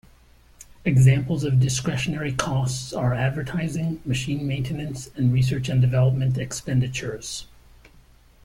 Examples of discretionary costs are advertising, machine maintenance, and research and development expenditures.